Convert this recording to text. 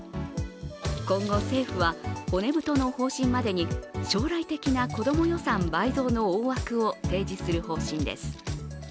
今後、政府は骨太の方針までに将来的な子ども予算倍増の大枠を提示する方針です。